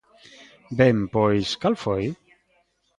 Ben, pois ¿cal foi?